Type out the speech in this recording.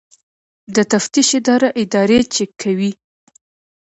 د تفتیش اداره ادارې چک کوي